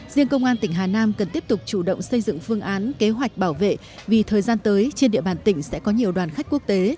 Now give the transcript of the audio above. riêng công an tỉnh hà nam cần tiếp tục chủ động xây dựng phương án kế hoạch bảo vệ vì thời gian tới trên địa bàn tỉnh sẽ có nhiều đoàn khách quốc tế